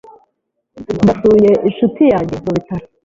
Ndasuye inshuti yanjye mubitaro.